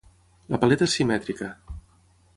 La paleta és simètrica.